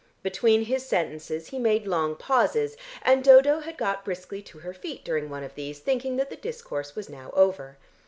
Between his sentences he made long pauses, and Dodo had got briskly to her feet during one of these, thinking that the discourse was now over.